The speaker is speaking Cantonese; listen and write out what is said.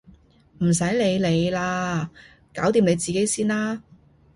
唔使你理啊！搞掂你自己先啦！